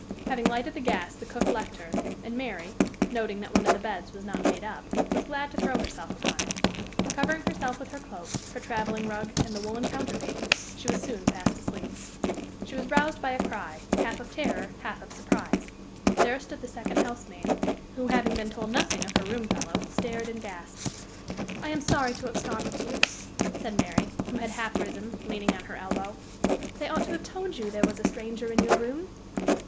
Having lighted the gas, the cook left her; and Mary, noting that one of the beds was not made up, was glad to throw herself upon it. Covering herself with her cloak, her traveling rug, and the woolen counterpane, she was soon fast asleep. She was roused by a cry, half of terror, half of surprise. There stood the second housemaid, who, having been told nothing of her room fellow, stared and gasped. "I am sorry to have startled you," said Mary, who had half risen, leaning on her elbow. "They ought to have told you there was a stranger in your room."